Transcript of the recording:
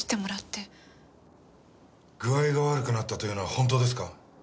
具合が悪くなったというのは本当ですか？